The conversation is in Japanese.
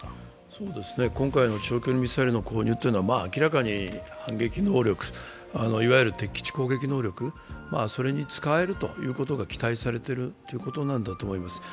今回の長距離ミサイルの購入というのは明らかに攻撃能力、いわゆる敵基地攻撃能力に使えると期待されているということだと思います。